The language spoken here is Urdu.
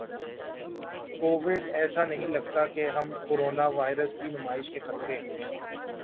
کوویڈ ایسا نہیں لگتا کہ ہم کورونا وائرس کی نمائش کے خطرے ک